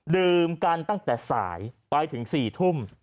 ดื่มกันตั้งแต่สายไปถึง๔ทุ่ม